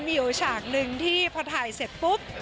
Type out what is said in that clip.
มีอยู่ฉากหนึ่งที่พอถ่ายเสร็จปุ๊บ